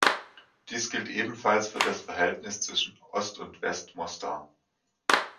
Dies gilt ebenfalls für das Verhältnis zwischen Ost- und West-Mostar.